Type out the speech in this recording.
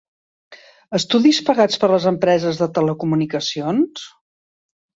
Estudis pagats per les empreses de telecomunicacions?